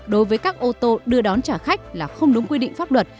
đối với các ô tô đưa đón trả khách là không đúng quy định pháp luật